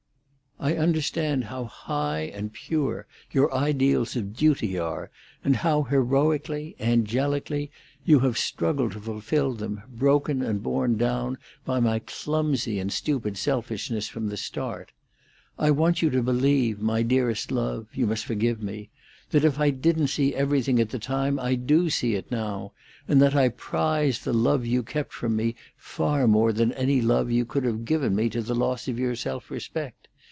I understand how high and pure your ideals of duty are, and how heroically, angelically, you have struggled to fulfil them, broken and borne down by my clumsy and stupid selfishness from the start. I want you to believe, my dearest love—you must forgive me!—that if I didn't see everything at the time, I do see it now, and that I prize the love you kept from me far more than any love you could have given me to the loss of your self respect.